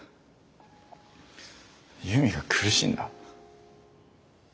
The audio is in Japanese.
悠美が苦しんだ？